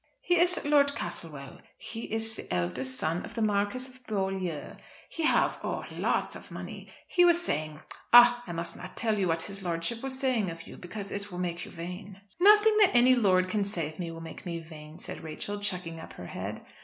"He is Lord Castlewell. He is the eldest son of the Marquis of Beaulieu. He have oh! lots of money. He was saying ah! I must not tell you what his lordship was saying of you because it will make you vain." "Nothing that any lord can say of me will make me vain," said Rachel, chucking up her head.